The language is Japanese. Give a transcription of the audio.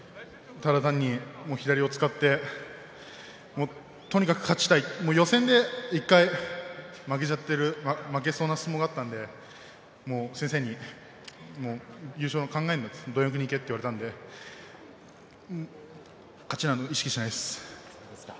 ただ単に左を使ってとにかく勝ちたい予選で負けそうな相撲だったので先生に優勝を考えるな、貪欲にいけと言われたので勝ちなど意識していないです。